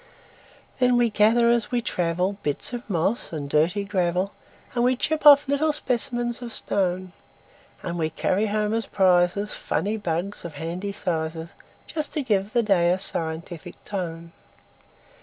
Then we gather as we travel, Bits of moss and dirty gravel, And we chip off little specimens of stone; And we carry home as prizesFunny bugs, of handy sizes, Just to give the day a scientific tone.